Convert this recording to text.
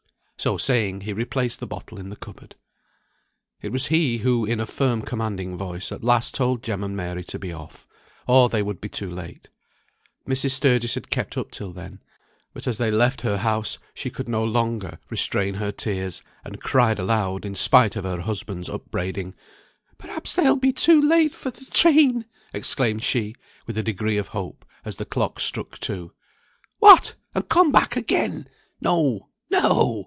So saying, he replaced the bottle in the cupboard. It was he who in a firm commanding voice at last told Jem and Mary to be off, or they would be too late. Mrs. Sturgis had kept up till then; but as they left her house, she could no longer restrain her tears, and cried aloud in spite of her husband's upbraiding. "Perhaps they'll be too late for th' train!" exclaimed she, with a degree of hope, as the clock struck two. "What! and come back again! No! no!